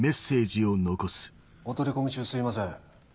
お取り込み中すいません。